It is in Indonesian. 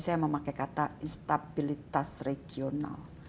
saya memakai kata instabilitas regional